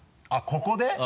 あっここで？